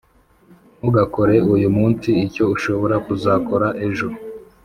Ntugakore uyu munsi icyo ushobora kuzakora ejo.